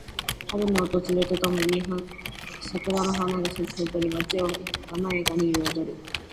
春の訪れとともに桜の花が咲き誇り、街を華やかに彩る。花見のシーズンになると、人々は公園でお弁当を広げ、美しい桜の下で楽しいひとときを過ごす。